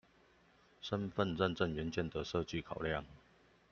身分認證元件的設計考量